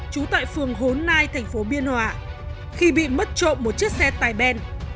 trú tại phường hồ nai thành phố biên hòa khi bị mất trộm một chiếc xe tài bèn